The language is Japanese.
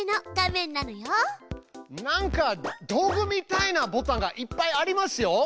なんか道具みたいなボタンがいっぱいありますよ。